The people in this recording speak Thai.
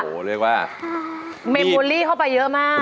โอ้โหเรียกว่าเมมโวลลี่เข้าไปเยอะมาก